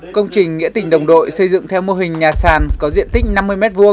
công trình nghĩa tình đồng đội xây dựng theo mô hình nhà sàn có diện tích năm mươi m hai